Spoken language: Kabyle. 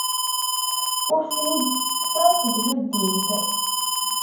Ur ten-id-ttekkseɣ seg tuddimt.